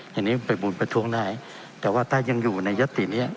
ทีนี้ไปบูรณ์ประทรวงได้แต่ว่าถ้ายังอยู่ในยัตติเนี้ย